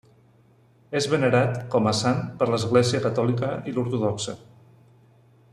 És venerat com a sant per l'Església catòlica i l'ortodoxa.